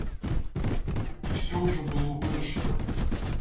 Усё ўжо было вырашана.